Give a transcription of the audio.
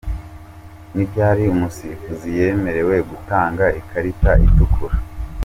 Ni ryari umusifuzi yemerewe gutanga ikarita itukura?.